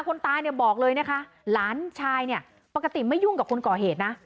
คนตายเนี่ยบอกเลยนะคะหลานชายเนี่ยปกติไม่ยุ่งกับคนก่อเหตุนะ